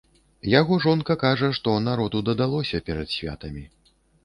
Яго жонка кажа, што народу дадалося перад святамі.